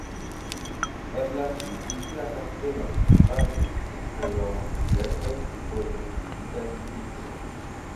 Eblas viziti la kastelon senpage kaj laŭ diversaj tipoj de gviditaj vizitoj.